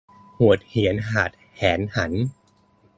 หวดเหียนหาดแหนหัน